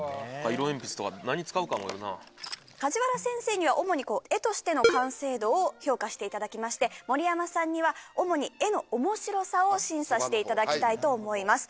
色鉛筆とか何使うかもよるな梶原先生には主に絵としての完成度を評価していただきまして盛山さんには主に絵の面白さを審査していただきたいと思います